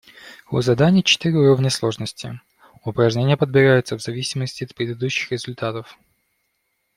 У заданий четыре уровня сложности, упражнения подбираются в зависимости от предыдущих результатов.